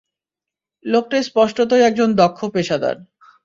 লোকটা স্পষ্টতই একজন দক্ষ পেশাদার।